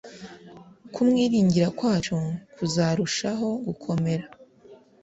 kumwiringira kwacu kuzarushaho gukomera